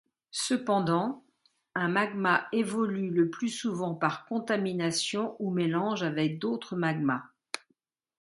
Cependant, un magma évolue le plus souvent par contamination ou mélange avec d'autres magmas.